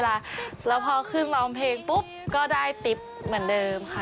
แล้วพอขึ้นร้องเพลงปุ๊บก็ได้ติ๊บเหมือนเดิมค่ะ